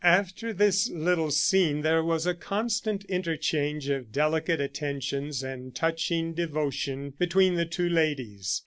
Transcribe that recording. After this little scene there was a constant interchange of delicate attentions and touching devotion between the two ladies.